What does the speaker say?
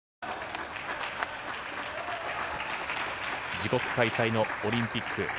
自国開催のオリンピック。